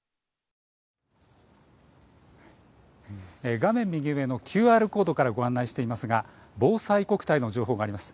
画面右上のＱＲコードからご案内していますがぼうさいこくたいの情報があります。